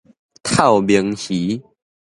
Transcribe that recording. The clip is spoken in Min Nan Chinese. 透明魚